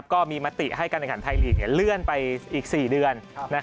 ก็มีมติให้การแข่งขันไทยลีกเลื่อนไปอีก๔เดือน